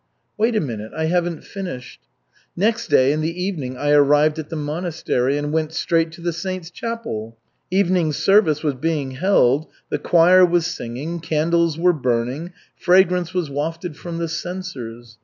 "Wait a minute, I haven't finished. Next day, in the evening I arrived at the monastery and went straight to the saint's chapel. Evening service was being held, the choir was singing, candles were burning, fragrance was wafted from the censers.